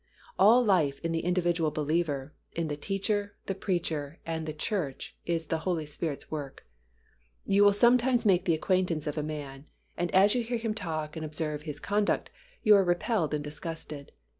All life in the individual believer, in the teacher, the preacher, and the church is the Holy Spirit's work. You will sometimes make the acquaintance of a man, and as you hear him talk and observe his conduct, you are repelled and disgusted.